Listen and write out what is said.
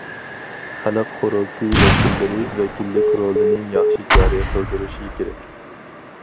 خەلق قۇرۇلتىيى ۋەكىللىرى ۋەكىللىك رولىنى ياخشى جارى قىلدۇرۇشى كېرەك.